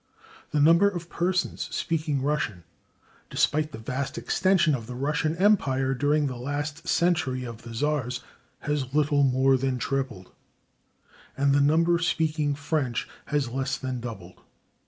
The number of persons speaking Russian, despite the vast extension of the Russian empire during the last century of the czars, has little more than tripled, and the number speaking French has less than doubled.